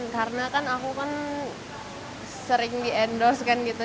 karena kan aku kan sering di endorse kan gitu